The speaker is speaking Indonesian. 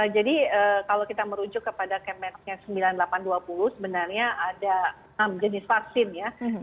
kalau kita merujuk kepada kemenkes sembilan ribu delapan ratus dua puluh sebenarnya ada enam jenis vaksin ya